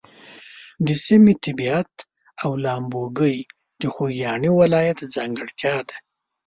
د سیمې طبیعت او لامبوګۍ د خوږیاڼي ولایت ځانګړتیا ده.